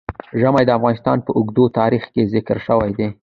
ژمی د افغانستان په اوږده تاریخ کې ذکر شوی دی.